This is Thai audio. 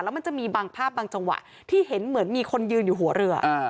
แล้วมันจะมีบางภาพบางจังหวะที่เห็นเหมือนมีคนยืนอยู่หัวเรือ